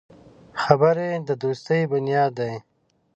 خبرې د دوستي بنیاد دی